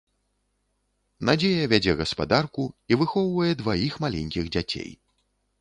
Надзея вядзе гаспадарку і выхоўвае дваіх маленькіх дзяцей.